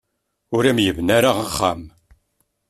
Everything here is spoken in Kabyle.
Ur am-yebni ara axxam.